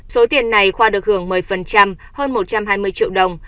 số tiền này khoa được hưởng một mươi hơn một trăm hai mươi triệu đồng